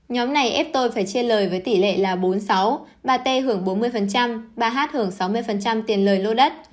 nhóm này ép tôi phải chia lời với tỷ lệ là bốn mươi sáu bà t hưởng bốn mươi bà hát hưởng sáu mươi tiền lời lô đất